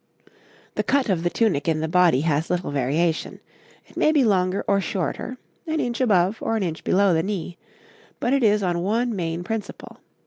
}] The cut of the tunic in the body has little variation; it may be longer or shorter, an inch above or an inch below the knee, but it is on one main principle.